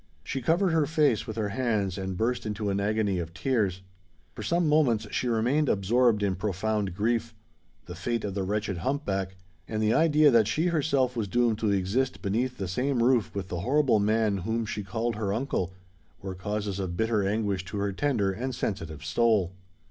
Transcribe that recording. She covered her face with her hands, and burst into an agony of tears. For some moments she remained absorbed in profound grief: the fate of the wretched hump back, and the idea that she herself was doomed to exist beneath the same roof with the horrible man whom she called her uncle, were causes of bitter anguish to her tender and sensitive soul.